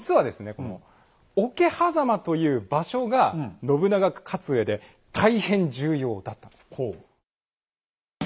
この桶狭間という場所が信長が勝つうえで大変重要だったんですよ。